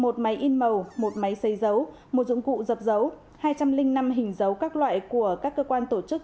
một máy in màu một máy xây dấu một dụng cụ dập dấu hai trăm linh năm hình dấu các loại của các cơ quan tổ chức